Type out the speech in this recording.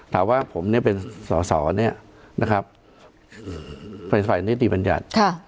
ถ้าว่าผมเนี่ยเป็นส่อเนี่ยนะครับฝ่ายนิติบรรยัติค่ะ